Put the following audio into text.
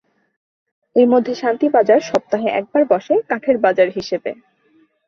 এর মধ্যে শান্তি বাজার সপ্তাহে একবার বসে কাঠের বাজার হিসেবে।